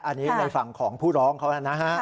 อันนี้ในฝั่งของผู้ร้องเขานะฮะ